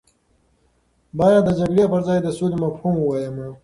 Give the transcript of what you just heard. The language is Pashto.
باید د جګړې پر ځای د سولې مفهوم ووایم.